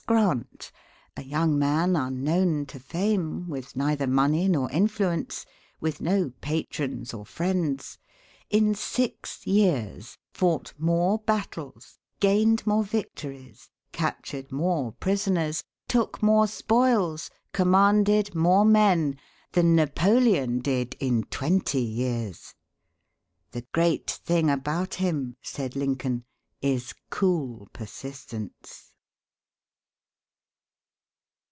Grant, a young man unknown to fame, with neither money nor influence, with no patrons or friends, in six years fought more battles, gained more victories, captured more prisoners, took more spoils, commanded more men, than Napoleon did in twenty years. "The great thing about him," said Lincoln, "is cool persistence."